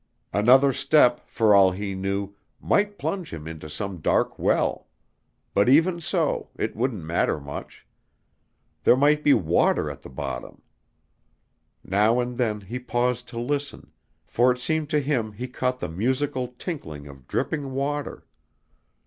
Another step, for all he knew, might plunge him into some dark well; but even so, it wouldn't matter much. There might be water at the bottom. Now and then he paused to listen, for it seemed to him he caught the musical tinkling of dripping water.